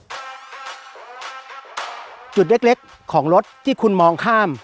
ทางไกลครับจุดเล็กเล็กของรถที่คุณมองข้าม